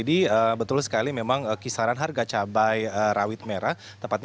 jadi betul sekali memang kisaran harga cabai rawit merah